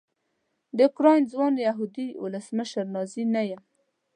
د اوکراین ځوان یهودي ولسمشر نازي نه یم.